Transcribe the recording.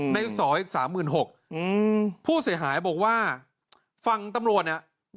ในซออีก๓๖๐๐๐ผู้เสียหายบอกว่าฟังตำรวจเนี่ย